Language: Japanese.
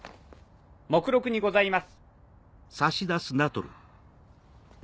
目録にございます。